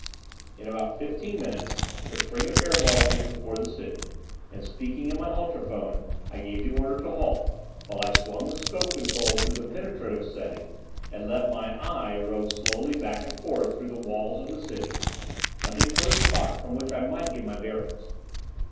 In about fifteen minutes the "string" of air balls was before the city, and speaking in my ultrophone I gave the order to halt, while I swung the scope control to the penetrative setting and let my "eye" rove slowly back and forth through the walls of the city, hunting for a spot from which I might get my bearings.